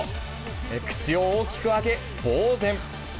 口を大きく開け、ぼう然。